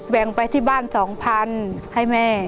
แบ่งไปที่บ้าน๒๐๐๐ให้แม่